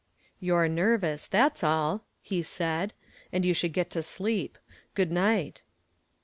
"You're nervous, that's all," he said, "and you should get to sleep. Good night."